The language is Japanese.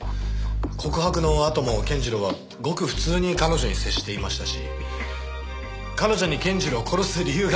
告白のあとも健次郎はごく普通に彼女に接していましたし彼女に健次郎を殺す理由がありません。